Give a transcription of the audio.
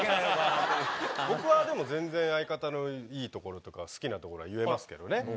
僕はでも全然相方のいいところとか好きなところは言えますけどね。